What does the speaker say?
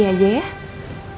saya bardziej cuma pengen bokor